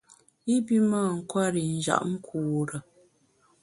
I pi mâ nkwer i njap nkure.